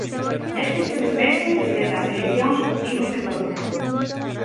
Nestes tres meses desde as eleccións vimos de todo.